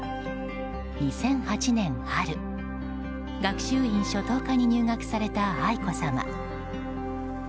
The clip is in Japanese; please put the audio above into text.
２００８年春、学習院初等科に入学された愛子さま。